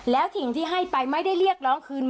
แล้วสิ่งที่ให้ไปไม่ได้เรียกร้องคืน